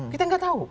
kita enggak tahu